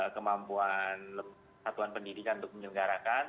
kemampuan satuan pendidikan untuk menyelenggarakan